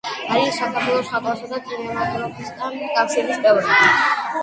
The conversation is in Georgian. არის საქართველოს მხატვართა და კინემატოგრაფისტთა კავშირის წევრი.